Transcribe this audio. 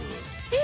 え